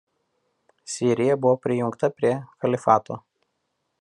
Sirija buvo prijungta prie kalifato.